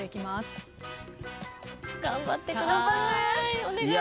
頑張ってください！